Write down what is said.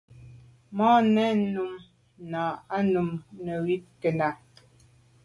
Màa nèn mum nà i num neywit kena.